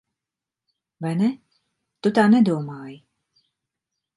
Vai ne? Tu tā nedomāji.